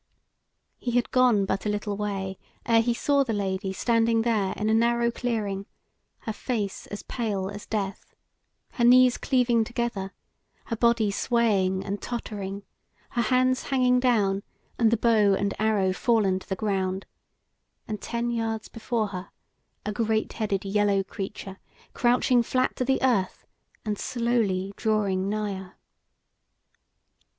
He had gone but a little way ere he saw the Lady standing there in a narrow clearing, her face pale as death, her knees cleaving together, her body swaying and tottering, her hands hanging down, and the bow and arrow fallen to the ground; and ten yards before her a great headed yellow creature crouching flat to the earth and slowly drawing nigher.